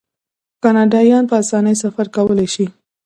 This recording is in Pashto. کاناډایان په اسانۍ سفر کولی شي.